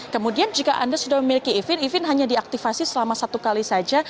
kemudian jika anda sudah memiliki event event hanya diaktifasi selama satu kali saja